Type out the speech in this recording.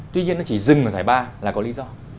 tuy nhiên nó chỉ dừng ở giải ba là có lý do